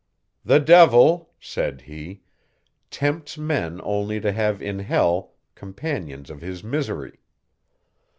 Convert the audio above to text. "The devil," said he, "tempts men only to have in hell companions of his misery.